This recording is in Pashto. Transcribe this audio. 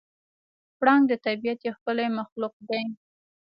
پړانګ د طبیعت یو ښکلی مخلوق دی.